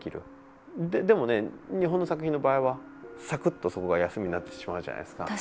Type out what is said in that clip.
でもね、日本の作品の場合はさくっと、そこが休みになってしまうじゃないですか。